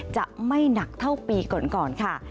จะไม่หนักเท่าปีก่อนค่ะ